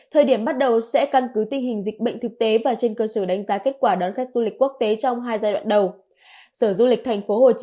thời điểm bắt đầu sẽ căn cứ tình hình dịch bệnh thực tế và trên cơ sở đánh giá kết quả đón khách du lịch quốc tế trong hai giai đoạn đầu